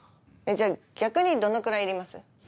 じゃあ逆にどのくらいいります？